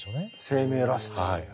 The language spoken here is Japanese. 生命らしさ。